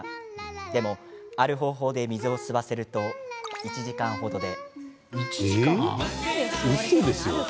でも、ある方法で水を吸わせると１時間程で。